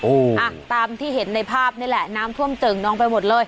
อ่ะตามที่เห็นในภาพนี่แหละน้ำท่วมเจิ่งน้องไปหมดเลย